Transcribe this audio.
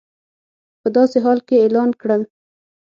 په داسې حال کې اعلان کړل